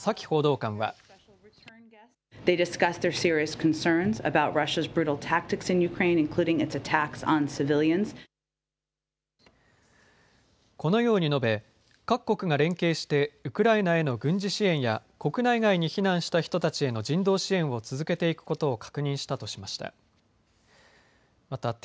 このように述べ各国が連携してウクライナへの軍事支援や国内外に避難した人たちへの人道支援を続けていくことを確認したとしました。